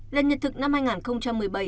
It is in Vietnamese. lần nhật thực năm hai nghìn một mươi bảy